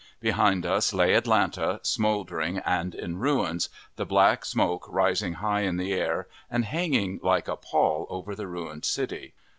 Behind us lay Atlanta, smouldering and in ruins, the black smoke rising high in air, and hanging like a pall over the ruined city.